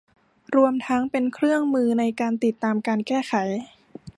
รวมทั้งเป็นเครื่องมือในการติดตามการแก้ไข